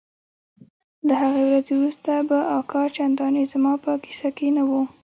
له هغې ورځې وروسته به اکا چندانې زما په کيسه کښې نه و.